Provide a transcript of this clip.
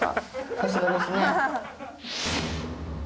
さすがですね。